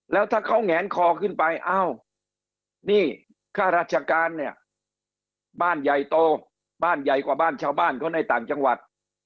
แล้วถ้าเขาแงนคอขึ้นไปอ้าวนี่ข้าราชการเนี่ยบ้านใหญ่โตบ้านใหญ่กว่าบ้านชาวบ้านเขาในต่างจังหวัด